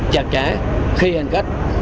chặt chẽ khi hành khách